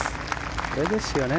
これですよね